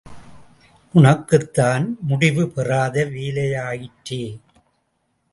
உனக்குத்தான் முடிவுபெறாத வேலையாயிற்றே!